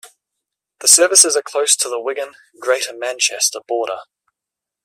The services are close to the Wigan, Greater Manchester border.